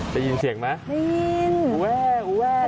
จะยินเสียงไหมไม่ยินอุแวะอุแวะ